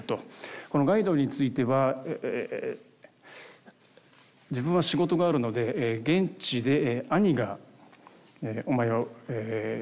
このガイドについては「自分は仕事があるので現地で兄がお前を受け入れる」と。